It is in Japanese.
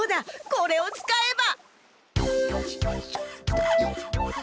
これを使えば！